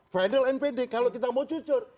final and binding kalau kita mau cucur